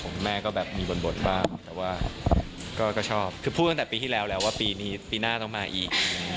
คุณแม่ก็แบบมีบทบ้างแต่ว่าก็ชอบคือพูดตั้งแต่ปีที่แล้วแล้วว่าปีนี้ปีหน้าต้องมาอีก